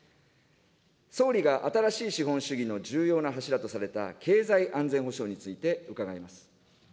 総理が新しい資本主義の重要な柱とされた経済安全保障について伺います。